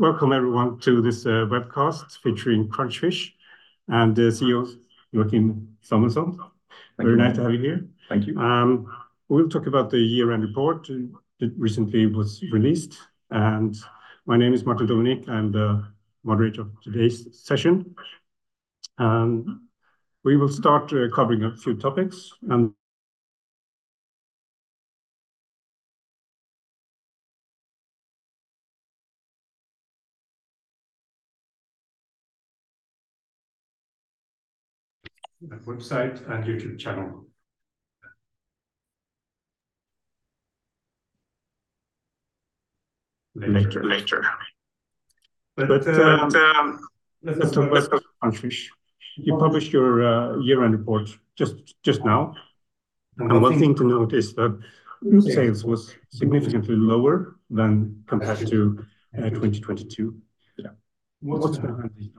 Welcome everyone to this webcast featuring Crunchfish and CEO Joachim Samuelsson. Thank you. Very nice to have you here. Thank you. We'll talk about the year-end report that recently was released, and my name is Martin Dominique. I'm moderator of today's session. We will start covering a few topics and website and YouTube channel. Later, later. But, Let's talk about Crunchfish. You published your year-end report just now, and one thing to note is that sales was significantly lower than compared to 2022. Yeah. What's behind these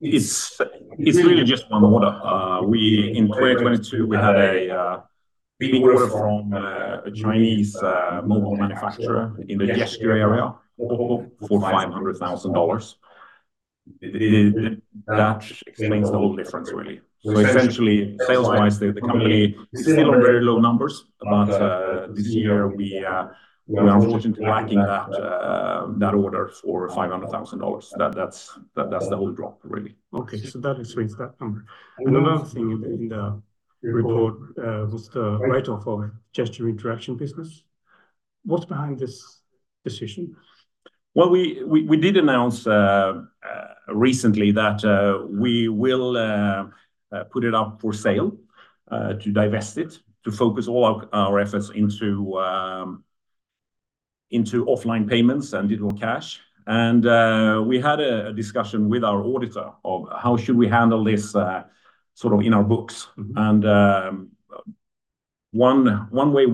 numbers? It's really just one order. In 2022, we had a big order from a Chinese mobile manufacturer in the gesture area for $500,000. That explains the whole difference, really. So essentially, sales-wise, the company is still on very low numbers, but this year we are unfortunately lacking that order for $500,000. That's the whole drop, really. Okay. So that explains that number. And another thing in the report was the write-off of the gesture interaction business. What's behind this decision? Well, we did announce recently that we will put it up for sale, to divest it, to focus all our efforts into offline payments and digital cash. And we had a discussion with our auditor of how should we handle this sort of in our books. And one way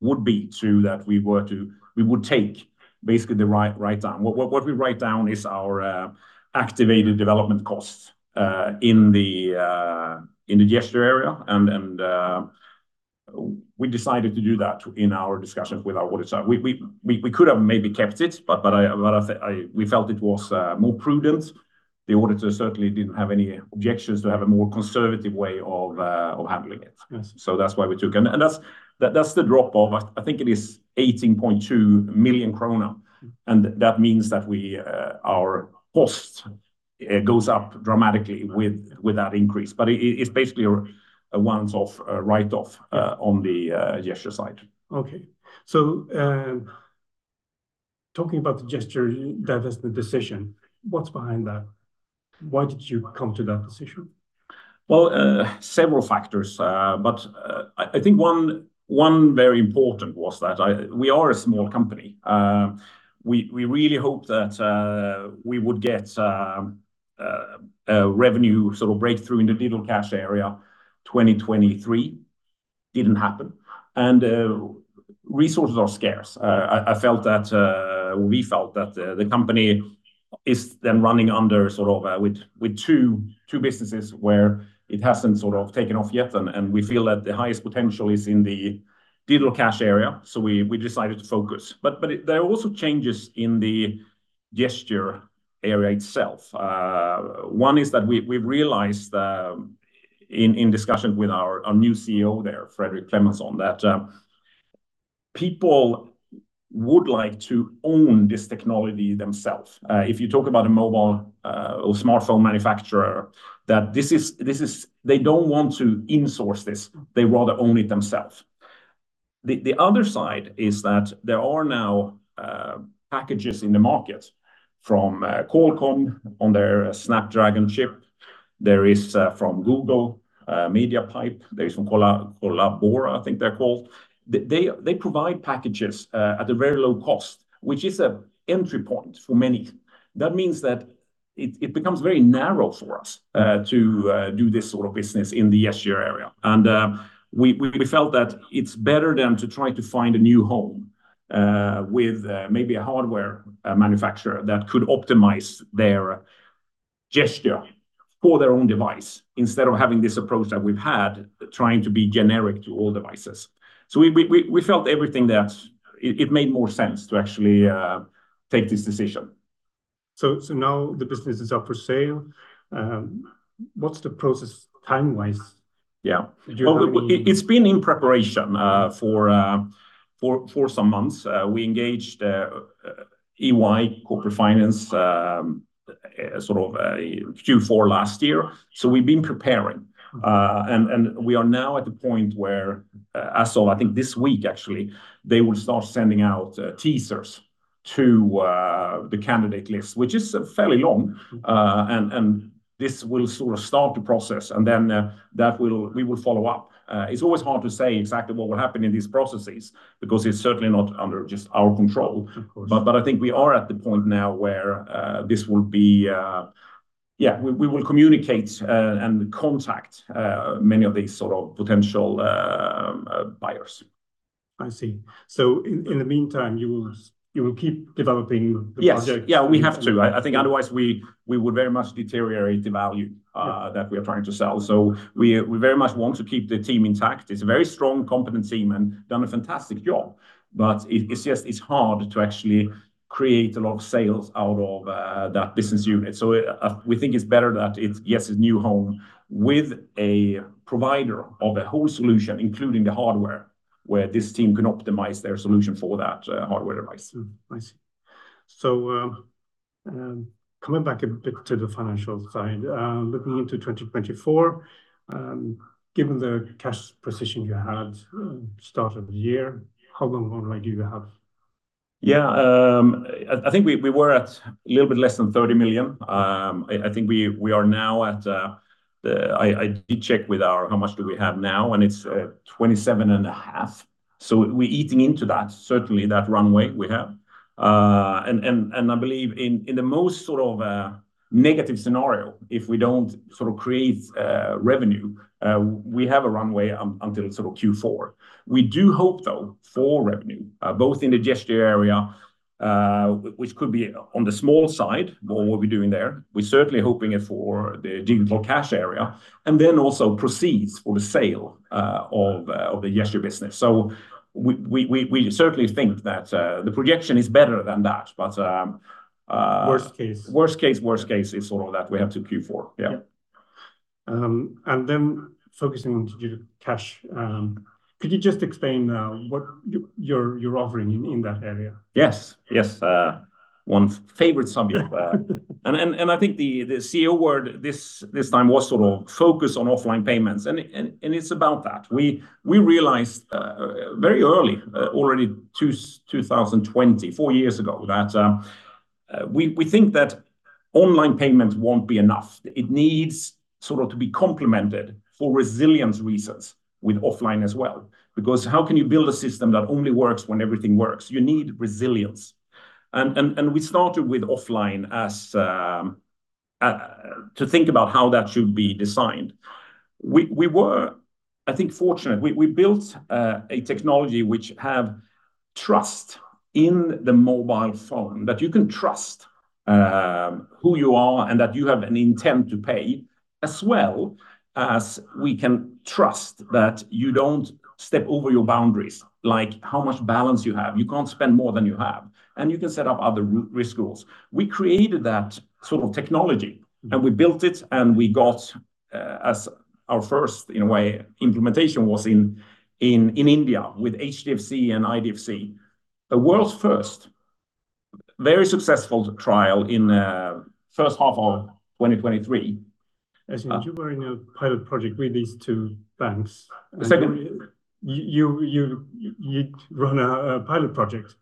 would be that we would take basically the write-down. What we write down is our activated development costs in the gesture area. And we decided to do that in our discussions with our auditor. We could have maybe kept it, but I think we felt it was more prudent. The auditor certainly didn't have any objections to have a more conservative way of handling it. So that's why we took. That's the drop of, I think it is 18.2 million krona. And that means that our cost goes up dramatically with that increase. But it's basically a once-off write-off on the gesture side. Okay. So, talking about the gesture divestment decision, what's behind that? Why did you come to that decision? Well, several factors. But I think one very important was that we are a small company. We really hope that we would get a revenue sort of breakthrough in the digital cash area 2023. Didn't happen. Resources are scarce. I felt that we felt that the company is then running sort of with two businesses where it hasn't sort of taken off yet. And we feel that the highest potential is in the digital cash area. So we decided to focus. But there are also changes in the gesture area itself. One is that we've realized in discussion with our new CEO there, Fredrik Clementson, that people would like to own this technology themselves. If you talk about a mobile or smartphone manufacturer, that this is they don't want to insource this. They rather own it themselves. The other side is that there are now packages in the market from Qualcomm on their Snapdragon chip. There is from Google, MediaPipe. There is some Collabora, I think they're called. They provide packages at a very low cost, which is an entry point for many. That means that it becomes very narrow for us to do this sort of business in the gesture area. And we felt that it's better than to try to find a new home with maybe a hardware manufacturer that could optimize their gesture for their own device instead of having this approach that we've had, trying to be generic to all devices. So we felt everything that it made more sense to actually take this decision. So now the business is up for sale. What's the process time-wise? Yeah. Did you have any? Well, it's been in preparation for some months. We engaged EY Corporate Finance sort of Q4 last year. So we've been preparing. And we are now at the point where, as of I think this week, actually, they will start sending out teasers to the candidate list, which is fairly long. And this will sort of start the process. And then we will follow up. It's always hard to say exactly what will happen in these processes because it's certainly not under just our control. Of course. But I think we are at the point now where this will be, yeah, we will communicate and contact many of these sort of potential buyers. I see. So in the meantime, you will keep developing the project? Yes. Yeah, we have to. I think otherwise we would very much deteriorate the value that we are trying to sell. So we very much want to keep the team intact. It's a very strong, competent team and done a fantastic job. But it's just hard to actually create a lot of sales out of that business unit. So we think it's better that it's new home with a provider of a whole solution, including the hardware, where this team can optimize their solution for that hardware device. I see. So, coming back a bit to the financial side, looking into 2024, given the cash position you had, start of the year, how long runway do you have? Yeah, I think we were at a little bit less than 30 million. I think we are now at, I did check with our how much do we have now, and it's 27.5 million. So we're eating into that, certainly that runway we have. And I believe in the most sort of negative scenario, if we don't sort of create revenue, we have a runway until sort of Q4. We do hope, though, for revenue, both in the gesture area, which could be on the small side of what we're doing there. We're certainly hoping it for the digital cash area, and then also proceeds for the sale of the gesture business. So we certainly think that the projection is better than that, but. Worst case. Worst case, worst case is sort of that we have to Q4. Yeah. Then focusing on digital cash, could you just explain what you're offering in that area? Yes. Yes, one favorite subject. And I think the key word this time was sort of focus on offline payments. And it's about that. We realized very early, already 2020, four years ago, that we think that online payments won't be enough. It needs sort of to be complemented for resilience reasons with offline as well. Because how can you build a system that only works when everything works? You need resilience. And we started with offline to think about how that should be designed. We were, I think, fortunate. We built a technology which has trust in the mobile phone, that you can trust who you are and that you have an intent to pay, as well as we can trust that you don't step over your boundaries, like how much balance you have. You can't spend more than you have, and you can set up other risk rules. We created that sort of technology, and we built it, and we got, as our first, in a way, implementation was in India with HDFC and IDFC, the world's first very successful trial in first half of 2023. I see. And you were in a pilot project with these two banks. The second? You'd run a pilot project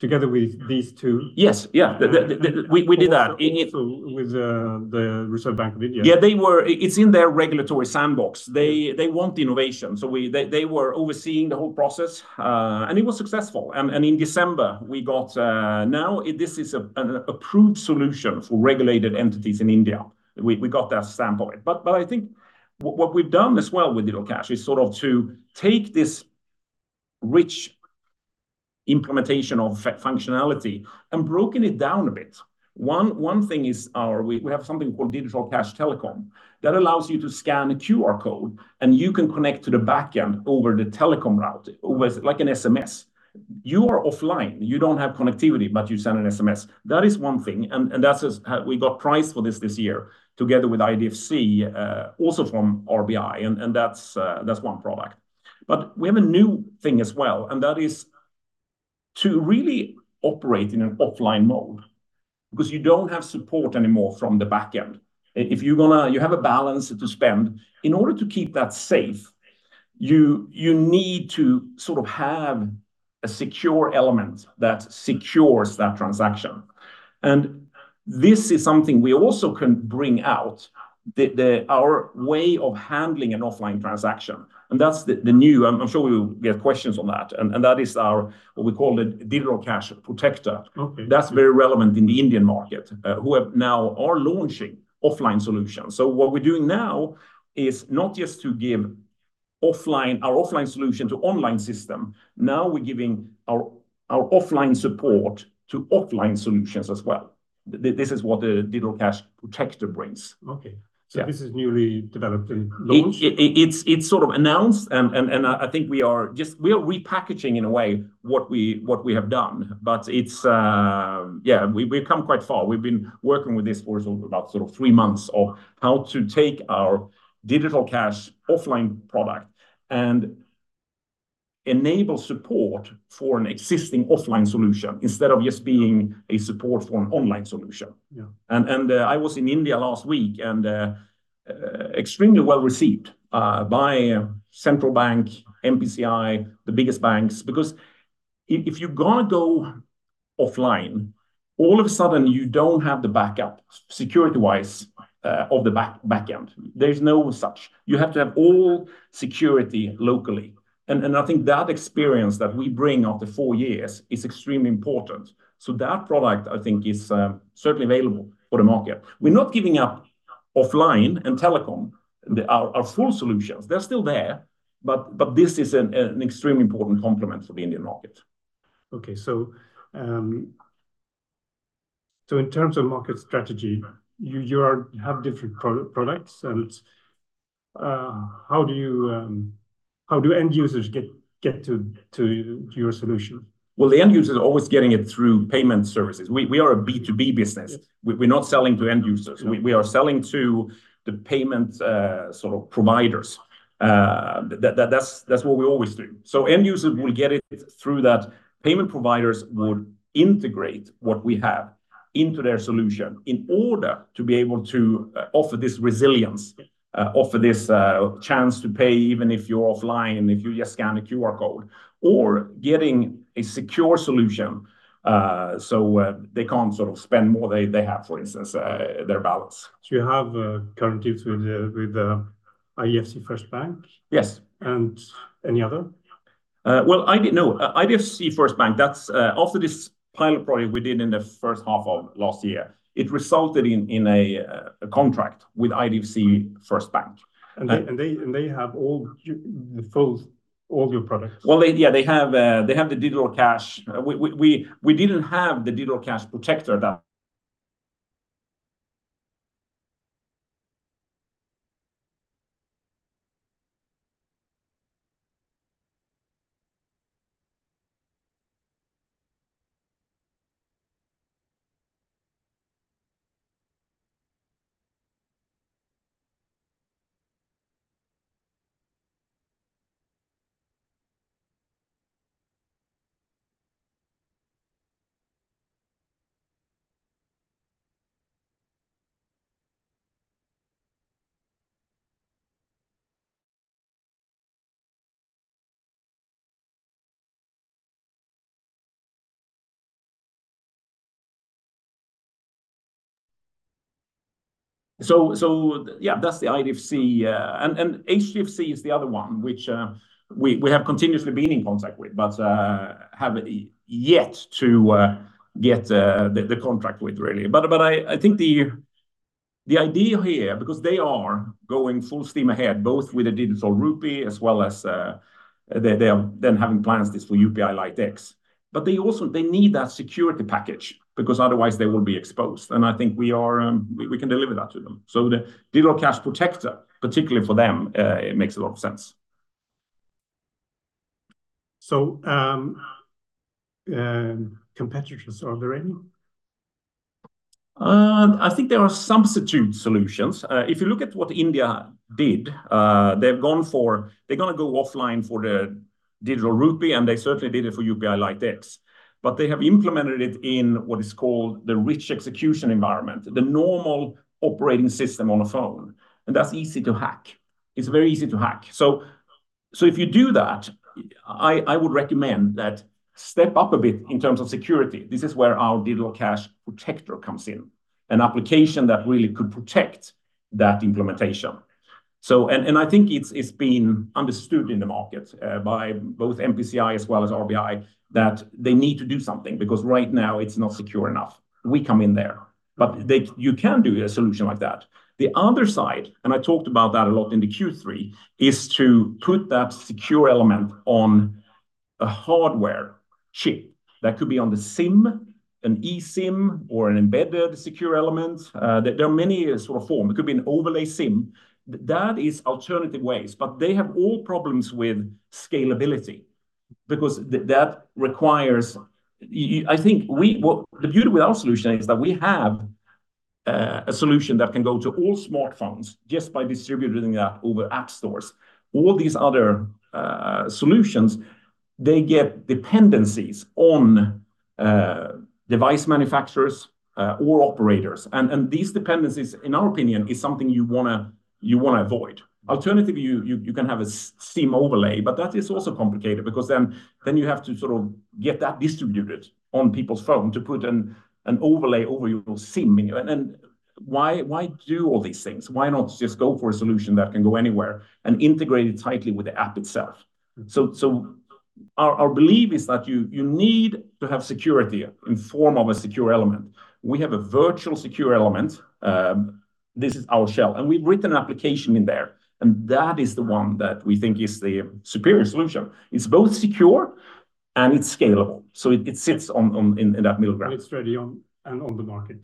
together with these two? Yes. Yeah. The we did that. Also, with the Reserve Bank of India? Yeah, they were—it's in their regulatory sandbox. They want innovation. So they were overseeing the whole process, and it was successful. And in December, we got—now this is an approved solution for regulated entities in India. We got their stamp on it. But I think what we've done as well with Digital Cash is sort of to take this rich implementation of functionality and broken it down a bit. One thing is we have something called Digital Cash Telecom that allows you to scan a QR code, and you can connect to the backend over the telecom route over like an SMS. You are offline. You don't have connectivity, but you send an SMS. That is one thing. And that's us we got priced for this this year together with IDFC, also from RBI. And that's one product. But we have a new thing as well, and that is to really operate in an offline mode because you don't have support anymore from the backend. If you're going to have a balance to spend. In order to keep that safe, you need to sort of have a Secure Element that secures that transaction. And this is something we also can bring out, our way of handling an offline transaction. And that's the new. I'm sure we will get questions on that. And that is what we call the Digital Cash Protector. That's very relevant in the Indian market, who now are launching offline solutions. So what we're doing now is not just to give our offline solution to online systems. Now we're giving our offline support to offline solutions as well. This is what the Digital Cash Protector brings. Okay. So this is newly developed and launched? It's sort of announced. And I think we are just repackaging, in a way, what we have done. But it's, yeah, we've come quite far. We've been working with this for about three months of how to take our Digital Cash Offline product and enable support for an existing offline solution instead of just being a support for an online solution. Yeah. And I was in India last week and extremely well received by Reserve Bank of India, NPCI, the biggest banks. Because if you're going to go offline, all of a sudden you don't have the backup security-wise of the backend. There's no such. You have to have all security locally. And I think that experience that we bring after four years is extremely important. So that product, I think, is certainly available for the market. We're not giving up offline and telecom, our full solutions. They're still there. But this is an extremely important complement for the Indian market. Okay. So in terms of market strategy, you are have different products. And how do end users get to your solution? Well, the end users are always getting it through payment services. We are a B2B business. We're not selling to end users. We are selling to the payment, sort of providers. That's what we always do. So end users will get it through that payment providers would integrate what we have into their solution in order to be able to offer this resilience, offer this chance to pay even if you're offline, if you just scan a QR code, or getting a secure solution, so they can't sort of spend more than they have, for instance, their balance. So you have current deals with IDFC First Bank? Yes. Any other? Well, IDFC First Bank, that's after this pilot project we did in the first half of last year, it resulted in a contract with IDFC First Bank. They have all your products? Well, yeah, they have the Digital Cash. We didn't have the Digital Cash Protector that. So yeah, that's the IDFC. And HDFC is the other one, which we have continuously been in contact with, but have yet to get the contract with, really. But I think the idea here, because they are going full steam ahead, both with the digital Rupee as well as they are then having plans this for UPI LiteX. But they also need that security package because otherwise they will be exposed. And I think we can deliver that to them. So the Digital Cash Protector, particularly for them, it makes a lot of sense. So, competitors, are there any? I think there are substitute solutions. If you look at what India did, they've gone for they're going to go offline for the Digital Rupee, and they certainly did it for UPI LiteX. But they have implemented it in what is called the rich execution environment, the normal operating system on a phone. And that's easy to hack. It's very easy to hack. So, so if you do that, I, I would recommend that step up a bit in terms of security. This is where our Digital Cash Protector comes in, an application that really could protect that implementation. So, and, and I think it's, it's been understood in the market, by both NPCI as well as RBI that they need to do something because right now it's not secure enough. We come in there. But they you can do a solution like that. The other side, and I talked about that a lot in the Q3, is to put that secure element on a hardware chip that could be on the SIM, an eSIM, or an embedded secure element. There are many sort of forms. It could be an overlay SIM. That is alternative ways. But they have all problems with scalability because that requires you, I think what the beauty with our solution is that we have a solution that can go to all smartphones just by distributing that over app stores. All these other solutions, they get dependencies on device manufacturers or operators. And these dependencies, in our opinion, is something you want to avoid. Alternatively, you can have a SIM overlay, but that is also complicated because then you have to sort of get that distributed on people's phone to put an overlay over your SIM in you. And why do all these things? Why not just go for a solution that can go anywhere and integrate it tightly with the app itself? So our belief is that you need to have security in the form of a Secure Element. We have a Virtual Secure Element. This is our shell. And we've written an application in there. And that is the one that we think is the superior solution. It's both secure and it's scalable. So it sits on, in that middle ground. It's ready on and on the market?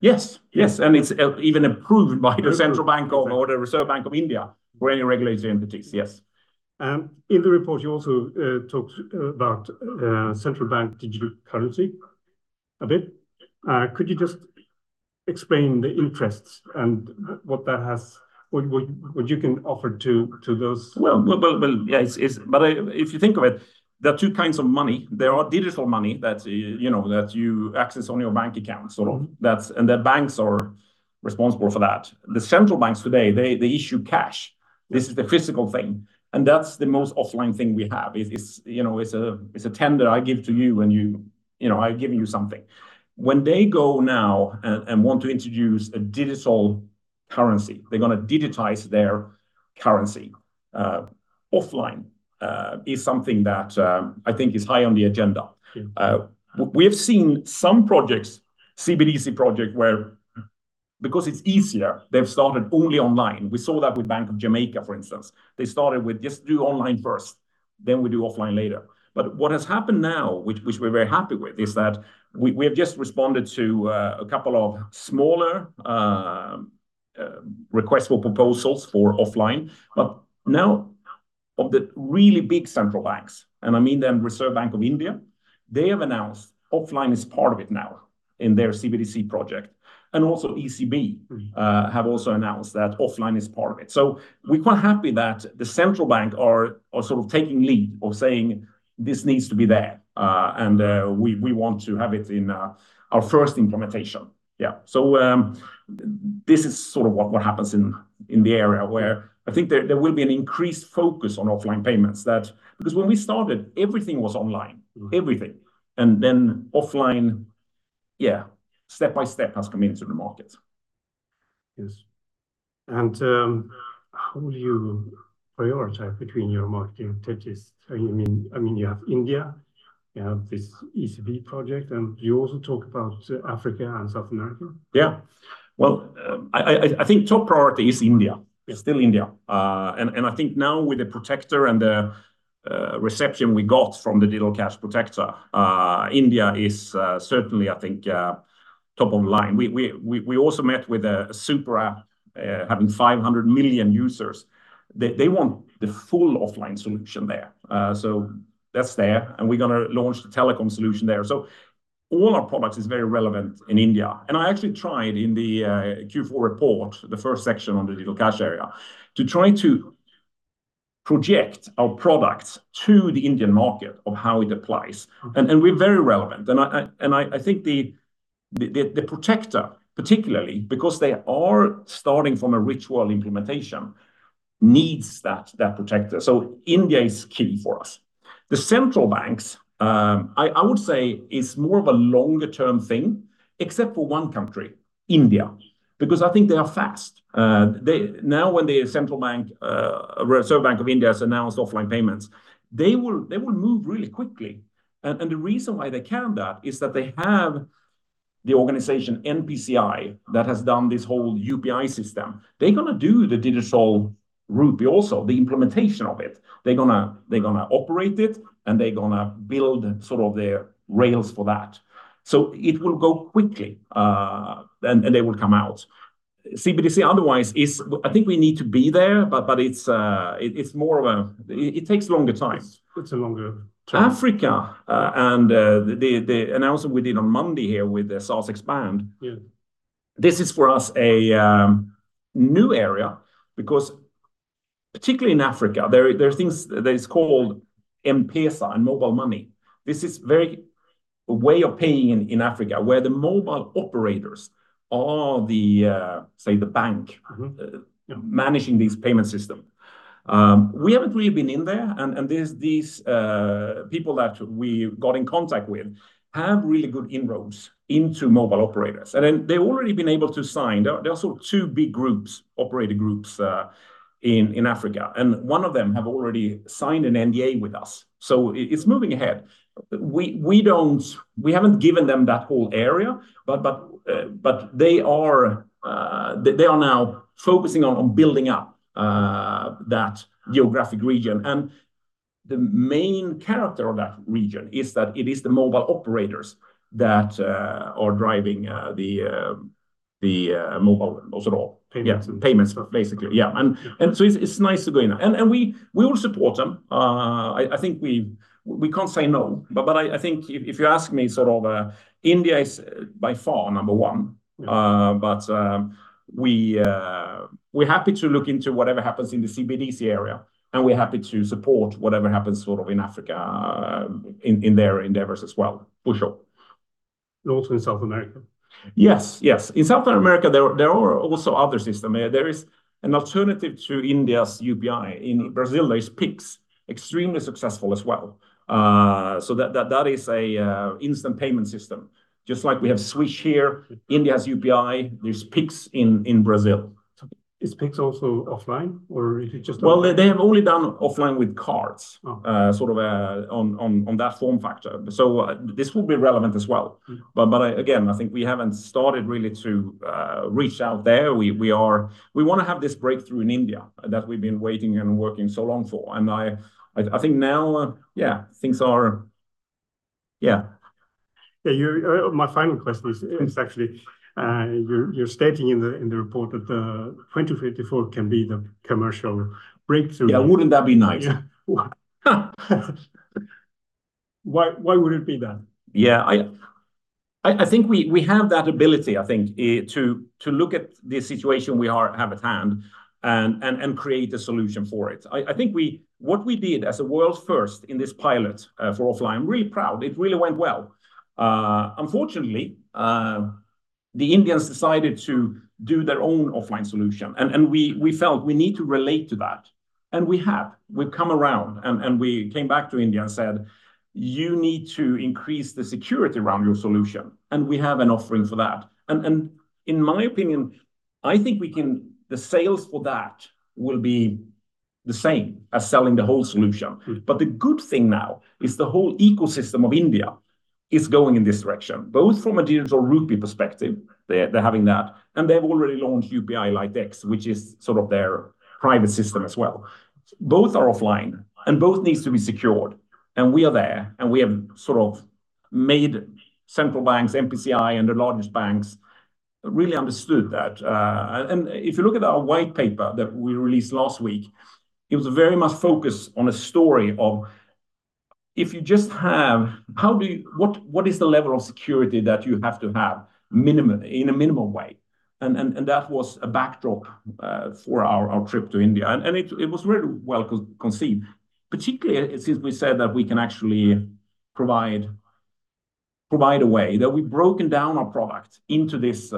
Yes. Yes. And it's even approved by the Central Bank or the Reserve Bank of India or any regulatory entities. Yes. In the report, you also talked about Central Bank Digital Currency a bit. Could you just explain the interests and what that has, what you can offer to those? Well, yeah, it's but if you think of it, there are two kinds of money. There are digital money that, you know, that you access on your bank account, sort of. That's and the banks are responsible for that. The central banks today, they issue cash. This is the physical thing. And that's the most offline thing we have. It's, you know, it's a tender I give to you and you, you know, I've given you something. When they go now and want to introduce a digital currency, they're going to digitize their currency, offline, is something that, I think is high on the agenda. We have seen some projects, CBDC project, where because it's easier, they've started only online. We saw that with Bank of Jamaica, for instance. They started with just do online first. Then we do offline later. But what has happened now, which we're very happy with, is that we have just responded to a couple of smaller requests for proposals for offline. But now of the really big central banks, and I mean the Reserve Bank of India, they have announced offline is part of it now in their CBDC project. And also ECB have also announced that offline is part of it. So we're quite happy that the central banks are sort of taking lead of saying this needs to be there, and we want to have it in our first implementation. Yeah. So this is sort of what happens in the area where I think there will be an increased focus on offline payments because when we started, everything was online, everything. And then offline, yeah, step by step has come into the market. Yes. And how will you prioritize between your marketing strategies? I mean, I mean, you have India. You have this ECB project. And you also talk about Africa and South America. Yeah. Well, I think top priority is India. It's still India. And I think now with the protector and the reception we got from the digital cash protector, India is certainly, I think, top of line. We also met with a super app having 500 million users. They want the full offline solution there. So that's there. And we're going to launch the telecom solution there. So all our products is very relevant in India. And I actually tried in the Q4 report, the first section on the digital cash area, to try to project our product to the Indian market of how it applies. And we're very relevant. And I think the protector, particularly because they are starting from a REE world implementation, needs that protector. So India is key for us. The central banks, I, I would say, is more of a longer-term thing, except for one country, India, because I think they are fast. They know when the central bank, Reserve Bank of India, has announced offline payments, they will, they will move really quickly. And, and the reason why they can do that is that they have the organization NPCI that has done this whole UPI system. They're going to do the Digital Rupee also, the implementation of it. They're going to, they're going to operate it, and they're going to build sort of their rails for that. So it will go quickly. And, and they will come out. CBDC otherwise is, I think we need to be there, but, but it's, it's more of a, it takes longer time. It's a longer term. Africa and the announcement we did on Monday here with the Sosepan. Yeah. This is for us a new area because particularly in Africa, there are things that is called M-Pesa, mobile money. This is very a way of paying in Africa where the mobile operators are the, say, the bank managing this payment system. We haven't really been in there. And these people that we got in contact with have really good inroads into mobile operators. And then they've already been able to sign. There are sort of two big groups, operator groups, in Africa. And one of them have already signed an NDA with us. So it's moving ahead. We haven't given them that whole area. But they are now focusing on building up that geographic region. The main character of that region is that it is the mobile operators that are driving the mobile sort of payments. Payments. Basically. Yeah. And so it's nice to go in. And we all support them. I think we can't say no. But I think if you ask me sort of, India is by far number one. But we're happy to look into whatever happens in the CBDC area. And we're happy to support whatever happens sort of in Africa, in their endeavors as well, for sure. Also in South America. Yes, yes. In South America, there are also other systems. There is an alternative to India's UPI. In Brazil, there is Pix, extremely successful as well. So that is an instant payment system. Just like we have Swish here, India has UPI, there's Pix in Brazil. Is Pix also offline or is it just? Well, they have only done offline with cards, sort of, on that form factor. So this will be relevant as well. But again, I think we haven't started really to reach out there. We want to have this breakthrough in India that we've been waiting and working so long for. And I think now, yeah, things are, yeah. Yeah, my final question is actually you're stating in the report that the 2054 can be the commercial breakthrough. Yeah, wouldn't that be nice? Why, why would it be that? Yeah, I think we have that ability, I think, to look at the situation we have at hand and create a solution for it. I think what we did as a world first in this pilot for offline, I'm really proud. It really went well. Unfortunately, the Indians decided to do their own offline solution. And we felt we need to relate to that. And we have. We've come around and we came back to India and said, you need to increase the security around your solution. And we have an offering for that. And in my opinion, I think the sales for that will be the same as selling the whole solution. But the good thing now is the whole ecosystem of India is going in this direction, both from a Digital Rupee perspective. They're, they're having that. And they've already launched UPI LiteX, which is sort of their private system as well. Both are offline and both needs to be secured. And we are there and we have sort of made central banks, NPCI, and the largest banks really understood that. And if you look at our white paper that we released last week, it was very much focused on a story of what is the level of security that you have to have minimum in a minimal way. And that was a backdrop for our trip to India. And it was really well conceived, particularly since we said that we can actually provide a way that we've broken down our product into this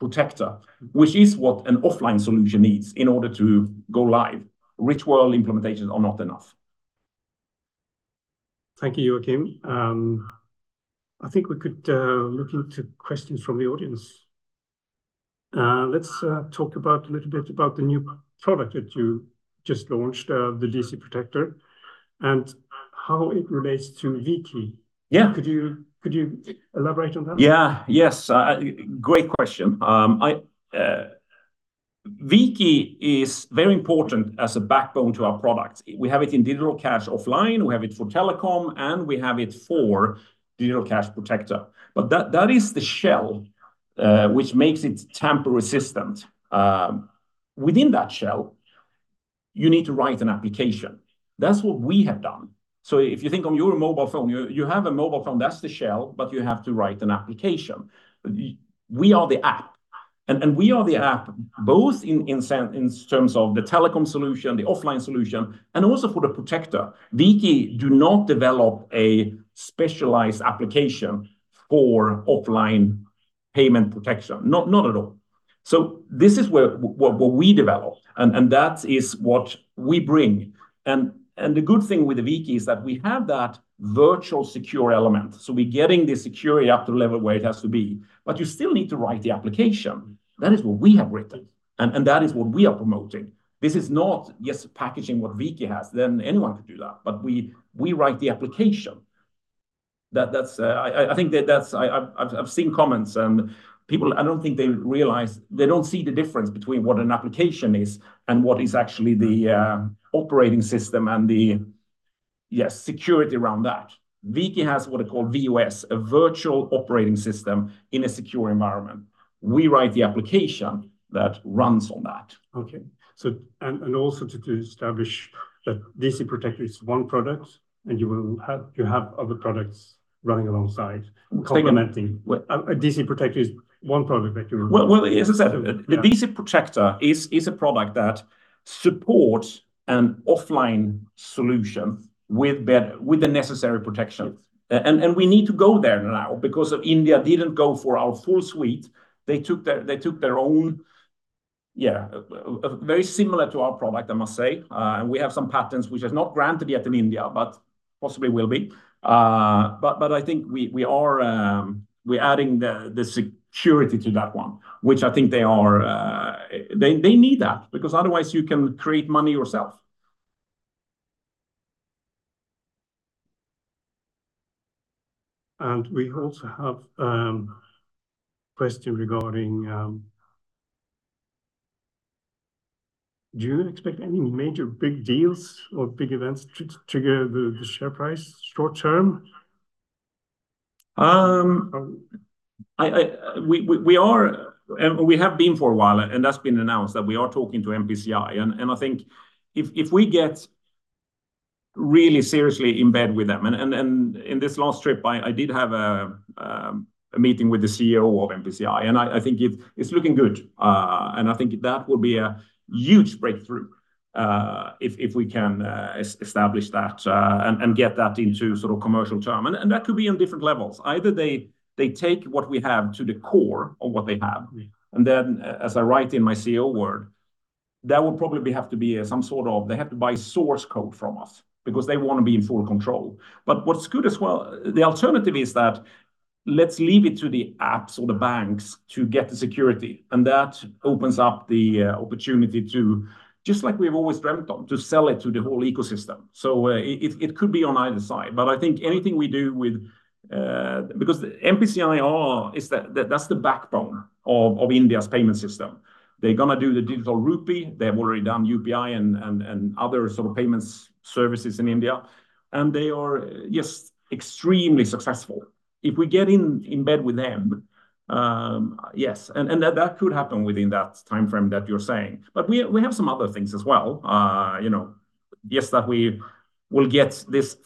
Protector, which is what an offline solution needs in order to go live. Rich world implementations are not enough. Thank you, Joachim. I think we could look into questions from the audience. Let's talk about a little bit about the new product that you just launched, the DC Protector, and how it relates to V-Key. Yeah. Could you elaborate on that? Yeah. Yes. Great question. V-Key is very important as a backbone to our products. We have it in Digital Cash Offline. We have it for Digital Cash Telecom, and we have it for Digital Cash Protector. But that is the shell, which makes it tamper-resistant. Within that shell, you need to write an application. That's what we have done. So if you think on your mobile phone, you have a mobile phone, that's the shell, but you have to write an application. We are the app. And we are the app both in terms of the telecom solution, the offline solution, and also for the protector. V-Key does not develop a specialized application for offline payment protection. Not at all. So this is what we develop. And that is what we bring. And the good thing with the V-Key is that we have that virtual secure element. So we're getting the security up to the level where it has to be. But you still need to write the application. That is what we have written. And that is what we are promoting. This is not just packaging what V-Key has. Then anyone could do that. But we write the application. That's, I think that's... I've seen comments and people I don't think they realize they don't see the difference between what an application is and what is actually the operating system and the, yes, security around that. V-Key has what they call V-OS, a virtual operating system in a secure environment. We write the application that runs on that. Okay. So, also to establish that DC Protector is one product and you will have other products running alongside complementing. DC Protector is one product that you're. Well, as I said, the DC Protector is a product that supports an offline solution with the necessary protection. And we need to go there now because India didn't go for our full suite. They took their own, yeah, very similar to our product, I must say. We have some patents which are not granted yet in India, but possibly will be. But I think we are adding the security to that one, which I think they need that because otherwise you can create money yourself. We also have a question regarding: Do you expect any major big deals or big events to trigger the, the share price short-term? We are and we have been for a while, and that's been announced that we are talking to NPCI. I think if we get really seriously in bed with them. In this last trip, I did have a meeting with the CEO of NPCI. I think it's looking good. I think that will be a huge breakthrough if we can establish that and get that into sort of commercial term. That could be on different levels. Either they take what we have to the core of what they have. Then, as I write in my CEO word, that would probably have to be some sort of they have to buy source code from us because they want to be in full control. But what's good as well, the alternative is that let's leave it to the apps or the banks to get the security. And that opens up the opportunity to, just like we've always dreamt of, to sell it to the whole ecosystem. So it could be on either side. But I think anything we do with NPCI, because the NPCI is the backbone of India's payment system. They're going to do the digital Rupee. They have already done UPI and other sort of payment services in India. And they are, yes, extremely successful. If we get in bed with them, yes. And that could happen within that timeframe that you're saying. But we have some other things as well. You know, yes, that we will get this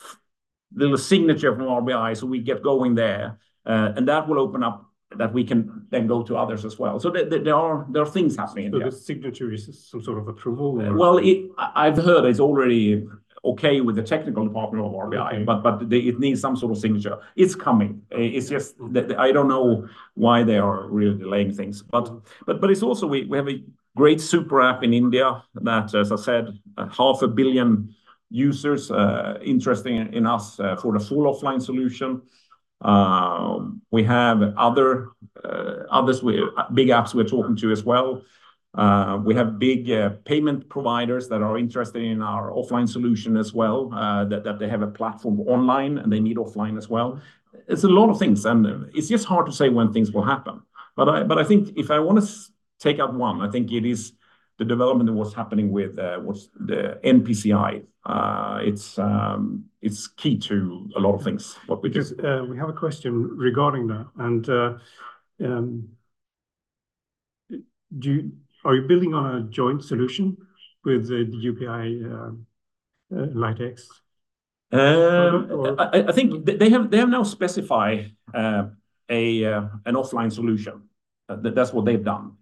little signature from RBI. So we get going there and that will open up that we can then go to others as well. So there are things happening in there. The signature is some sort of approval? Well, I've heard it's already okay with the technical department of RBI. But it needs some sort of signature. It's coming. It's just that I don't know why they are really delaying things. But it's also we have a great super app in India that, as I said, 500 million users, interested in us for the full offline solution. We have other big apps we're talking to as well. We have big payment providers that are interested in our offline solution as well, that they have a platform online and they need offline as well. It's a lot of things. And it's just hard to say when things will happen. But I think if I want to take out one, I think it is the development that was happening with NPCI. It's key to a lot of things, what we do. Because we have a question regarding that. Are you building on a joint solution with the UPI LiteX? I think they have now specified an offline solution. That's what they've done.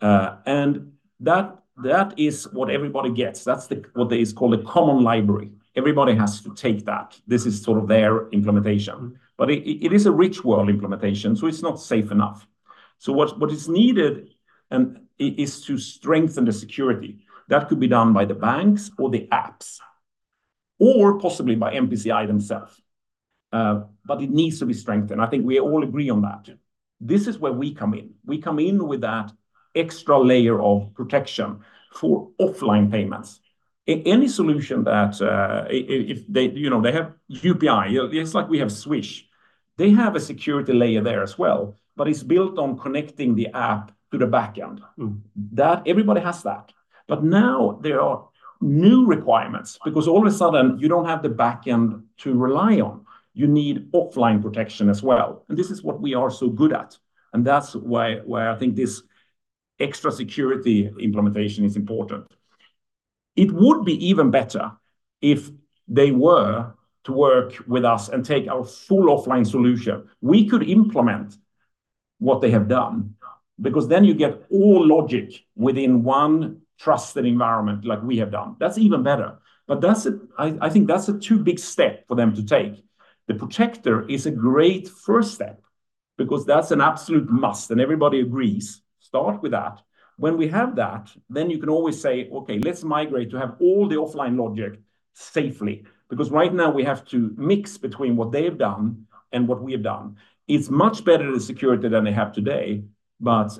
And that is what everybody gets. That's what is called a common library. Everybody has to take that. This is sort of their implementation. But it is a REE world implementation. So it's not safe enough. So what is needed is to strengthen the security. That could be done by the banks or the apps or possibly by NPCI themselves. But it needs to be strengthened. I think we all agree on that. This is where we come in. We come in with that extra layer of protection for offline payments. Any solution that, if they, you know, they have UPI, it's like we have Swish. They have a security layer there as well, but it's built on connecting the app to the backend. That everybody has that. But now there are new requirements because all of a sudden you don't have the backend to rely on. You need offline protection as well. And this is what we are so good at. And that's why I think this extra security implementation is important. It would be even better if they were to work with us and take our full offline solution. We could implement what they have done because then you get all logic within one trusted environment like we have done. That's even better. But that's, I think, a too big step for them to take. The protector is a great first step because that's an absolute must. And everybody agrees. Start with that. When we have that, then you can always say, okay, let's migrate to have all the offline logic safely. Because right now we have to mix between what they've done and what we have done. It's much better the security than they have today. But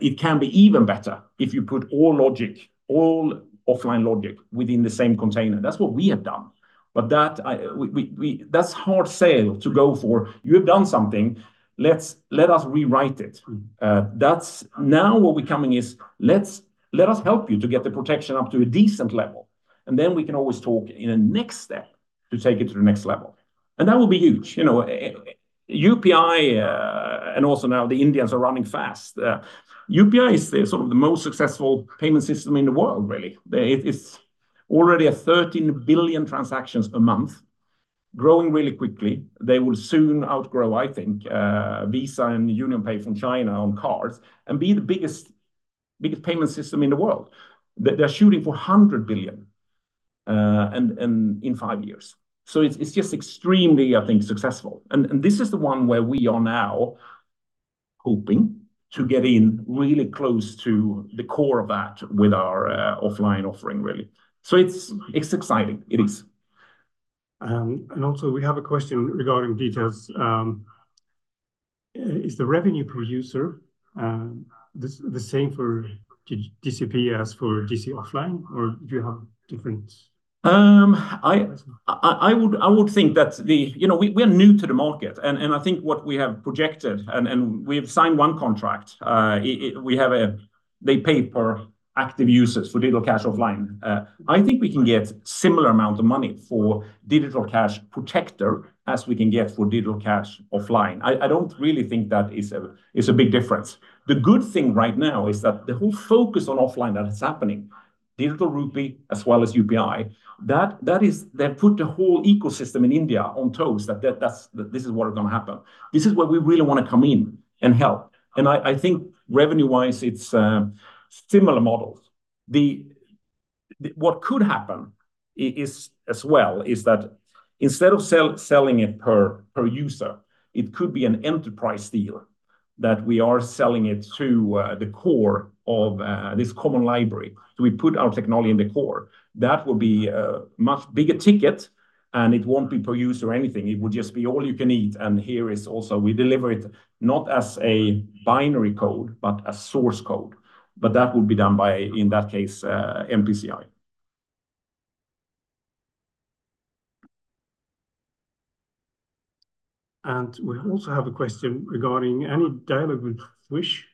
it can be even better if you put all logic, all offline logic within the same container. That's what we have done. But that's hard sell to go for. You have done something. Let us rewrite it. That's not what we're coming with; it's let us help you to get the protection up to a decent level. And then we can always talk in a next step to take it to the next level. And that will be huge. You know, UPI, and also now the Indians are running fast. UPI is sort of the most successful payment system in the world, really. It's already 13 billion transactions a month, growing really quickly. They will soon outgrow, I think, Visa and UnionPay from China on cards and be the biggest, biggest payment system in the world. They're shooting for 100 billion, and in five years. So it's just extremely, I think, successful. And this is the one where we are now hoping to get in really close to the core of that with our offline offering, really. So it's exciting. It is. Also, we have a question regarding details. Is the revenue producer the same for DCP as for DC offline, or do you have different? I would think that, you know, we are new to the market. And I think what we have projected and we have signed one contract. We have a, they pay for active users for Digital Cash Offline. I think we can get a similar amount of money for Digital Cash Protector as we can get for Digital Cash Offline. I don't really think that is a big difference. The good thing right now is that the whole focus on offline that is happening, Digital Rupee as well as UPI, that is, they've put the whole ecosystem in India on their toes. That that's this is what is going to happen. This is where we really want to come in and help. And I think revenue-wise it's similar models. What could happen as well is that instead of selling it per user, it could be an enterprise deal that we are selling it to the core of this common library. So we put our technology in the core. That will be a much bigger ticket. And it won't be per user or anything. It will just be all you can eat. And here also we deliver it not as a binary code, but as source code. But that would be done by, in that case, NPCI. We also have a question regarding any dialogue with Swish.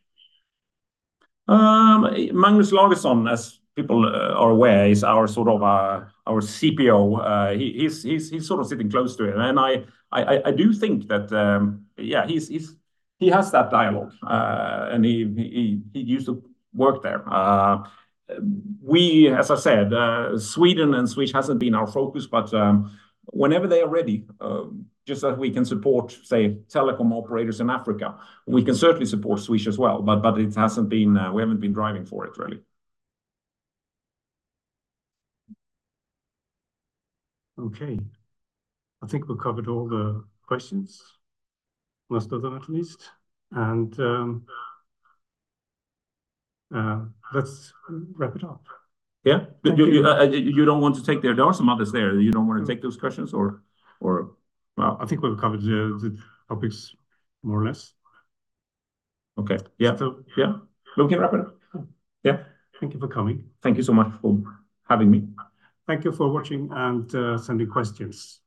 Magnus Lageson, as people are aware, is our sort of, our CPO. He is sort of sitting close to it. And I do think that, yeah, he has that dialogue. And he used to work there. We, as I said, Sweden and Swish hasn't been our focus, but whenever they are ready, just so that we can support, say, telecom operators in Africa, we can certainly support Swish as well. But it hasn't been, we haven't been driving for it, really. Okay. I think we've covered all the questions, most of them at least. Let's wrap it up. Yeah. You don't want to take there. There are some others there. You don't want to take those questions or. I think we've covered the topics more or less. Okay. Yeah. Yeah. We can wrap it up. Yeah. Thank you for coming. Thank you so much for having me. Thank you for watching and sending questions.